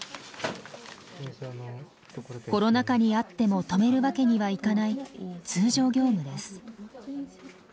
コロナ禍にあっても止めるわけにはいかない通常業務です。